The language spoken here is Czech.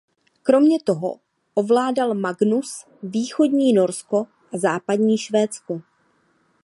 Kromě toho ovládal Magnus východní Norsko a západní Švédsko.